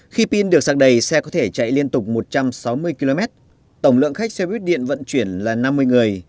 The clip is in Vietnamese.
khi pin được sạc đầy xe có thể chạy liên tục một trăm sáu mươi km tổng lượng khách xe buýt điện vận chuyển là năm mươi người